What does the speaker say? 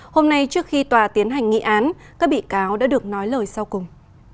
hôm nay trước khi tòa tiến hành nghị án các bị cáo đã được nói lời sau cùng